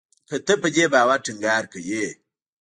که ته په دې باور ټینګار کوې